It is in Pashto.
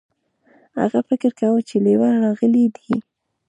هغه فکر کاوه چې لیوه راغلی دی.